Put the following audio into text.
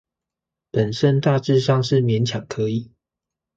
本身大致上是勉強可以